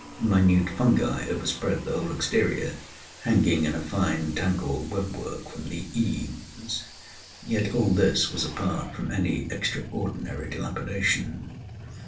Minute fungi overspread the whole exterior, hanging in a fine tangled web work from the eaves. Yet all this was apart from any extraordinary dilapidation.